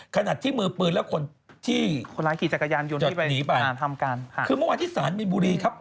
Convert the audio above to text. ขนาดที่มือปืนแล้วคนที่จัดหนีไปค่ะคือบางวันที่ศาลมีนบุรีครับ